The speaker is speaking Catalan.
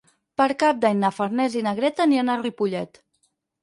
Per Cap d'Any na Farners i na Greta aniran a Ripollet.